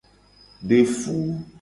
De fu.